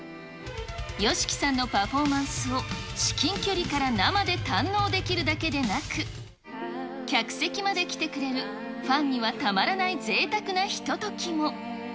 ＹＯＳＨＩＫＩさんのパフォーマンスを、至近距離から生で堪能できるだけでなく、客席まで来てくれる、ファンにはたまらないぜいたくなひとときも。